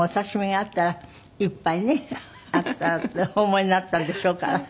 あったらってお思いになったんでしょうから。